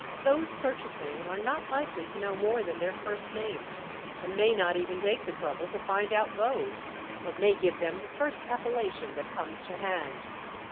Those purchasing are not likely to know more than their first names, and may not even take the trouble to find out those, but may give them the first appellation that comes to hand.